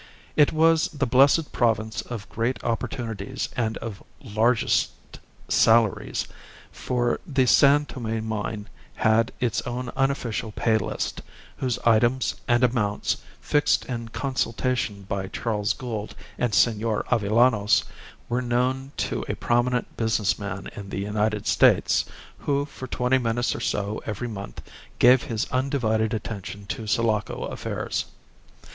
It was the blessed province of great opportunities and of largest salaries; for the San Tome mine had its own unofficial pay list, whose items and amounts, fixed in consultation by Charles Gould and Senor Avellanos, were known to a prominent business man in the United States, who for twenty minutes or so in every month gave his undivided attention to Sulaco affairs.